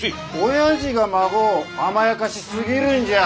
親父が孫を甘やかしすぎるんじゃあ。